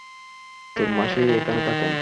তোর মাসি এখানে থাকেন?